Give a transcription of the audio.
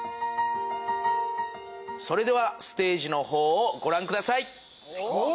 それではステージの方をご覧ください。